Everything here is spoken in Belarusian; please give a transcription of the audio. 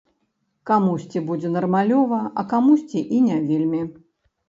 Камусьці будзе нармалёва, а камусьці і не вельмі.